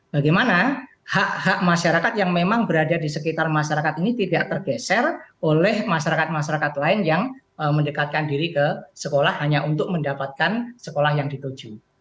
bagaimana hak hak masyarakat yang memang berada di sekitar masyarakat ini tidak tergeser oleh masyarakat masyarakat lain yang mendekatkan diri ke sekolah hanya untuk mendapatkan sekolah yang dituju